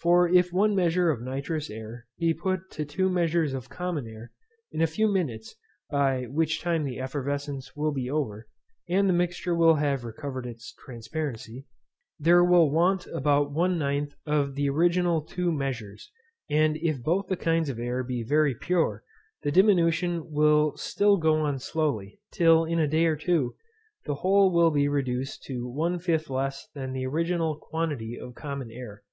For if one measure of nitrous air be put to two measures of common air, in a few minutes (by which time the effervescence will be over, and the mixture will have recovered its transparency) there will want about one ninth of the original two measures; and if both the kinds of air be very pure, the diminution will still go on slowly, till in a day or two, the whole will be reduced to one fifth less than the original quantity of common air.